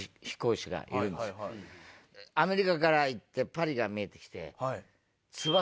アメリカから行ってパリが見えてきて。